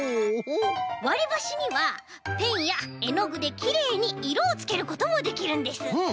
わりばしにはペンやえのぐできれいにいろをつけることもできるんです。